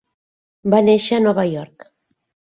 Va néixer a Nova York.